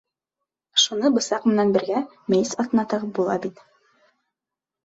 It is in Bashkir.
Шуны бысаҡ менән бергә мейес аҫтына тығып була бит.